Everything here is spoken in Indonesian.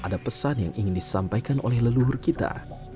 ada pesan yang ingin disampaikan oleh leluhur kita